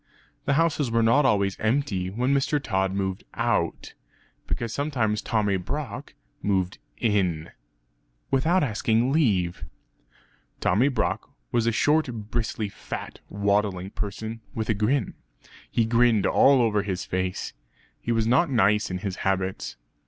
The houses were not always empty when Mr. Tod moved out; because sometimes Tommy Brock moved in; (without asking leave). Tommy Brock was a short bristly fat waddling person with a grin; he grinned all over his face. He was not nice in his habits.